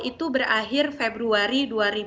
itu berakhir februari